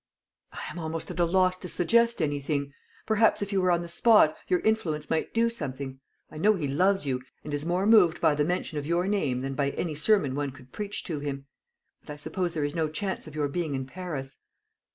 "I am almost at a loss to suggest anything. Perhaps if you were on the spot, your influence might do something. I know he loves you, and is more moved by the mention of your name than by any sermon one could preach to him. But I suppose there is no chance of your being in Paris."